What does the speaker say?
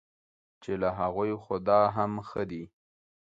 چې له هغوی خو دا هم ښه دی.